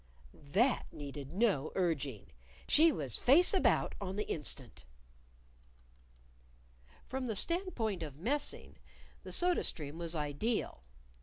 That needed no urging! She was face about on the instant. From the standpoint of messing the soda stream was ideal.